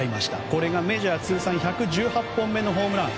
これがメジャー通算１１８本目のホームラン。